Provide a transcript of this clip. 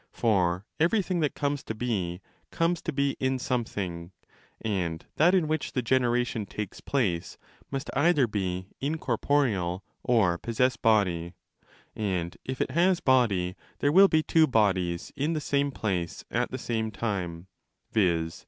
For every thing that comes to be comes to be in something," and that in which the generation takes place must either be in corporeal or possess body; and if it has body, there will be two bodies in the same place at the same time, viz.